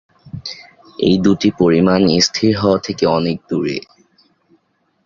এই দুটি পরিমাণ স্থির হওয়া থেকে অনেক দূরে।